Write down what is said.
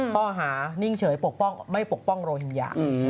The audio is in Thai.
ข้อหานิ่งเฉยปกป้องไม่ปกป้องโรฮิงญา